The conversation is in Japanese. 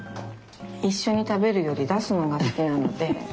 一緒に食べるより出すのが好きなので。